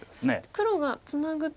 黒がツナぐと。